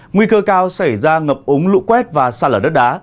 nguy cơ cao xảy ra ngập ống lũ quét và xa lở đất đá